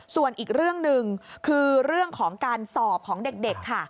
ส่วนอีกเรื่องหนึ่งคือเรื่องของการสอบของเด็กค่ะ